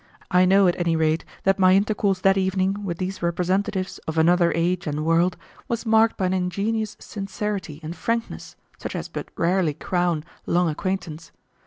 I know at any rate that my intercourse that evening with these representatives of another age and world was marked by an ingenuous sincerity and frankness such as but rarely crown long acquaintance.